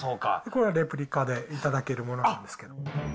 これはレプリカで頂けるものなんですけど。